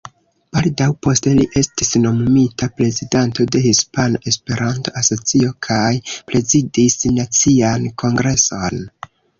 Baldaŭ poste li estis nomumita prezidanto de Hispana Esperanto-Asocio kaj prezidis nacian Kongreson.